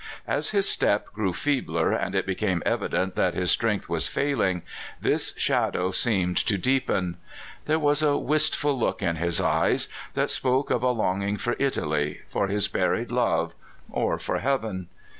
As his step grew feebler, and it became evident that his strength was failing, this shadow seemed to deepen. There was a wistful look in his eyes that spoke of a longing for Italy, for his buried love, or for heaven.